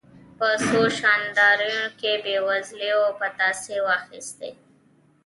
په څو شانداپولیو یې زلوبۍ او پتاسې واخیستې.